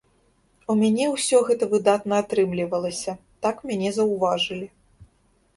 У мяне ўсё гэта выдатна атрымлівалася, так мяне заўважылі.